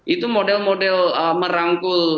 itu model model merangkul